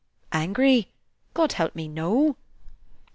"Angry? God help me, no!